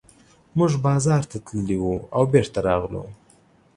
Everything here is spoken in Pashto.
موږ بازار ته تللي وو او بېرته راغلو.